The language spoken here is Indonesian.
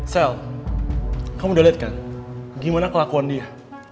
sel kamu udah lihat kan gimana kelakuan dia